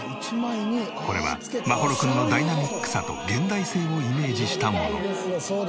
これは眞秀君のダイナミックさと現代性をイメージしたもの。